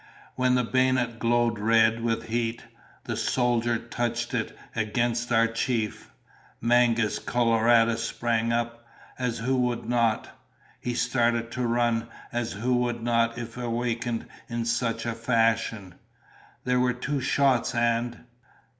When the bayonet glowed red with heat, the soldier touched it against our chief. Mangus Coloradus sprang up, as who would not? He started to run, as who would not if awakened in such a fashion? There were two shots and